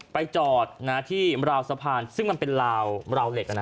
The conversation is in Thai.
ไปจอดที่ราวสะพานซึ่งมันเป็นราวเหล็ก